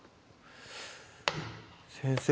先生